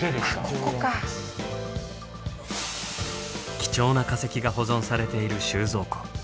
貴重な化石が保存されている収蔵庫。